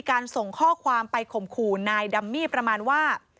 ส่งข้อความไปข่มขู่นายดัมมี่ประมาณว่า